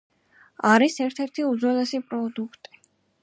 არის ერთ-ერთი უძველესი პროდუქტი.